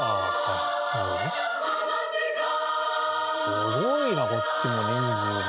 すごいなこっちも人数も。